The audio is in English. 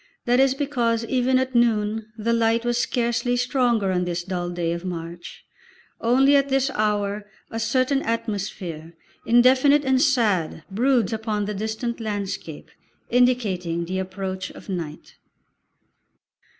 That is because even at noon the light was scarcely stronger on this dull day of March; only at this hour a certain atmosphere, indefinite and sad, broods upon the distant landscape, indicating the approach of night.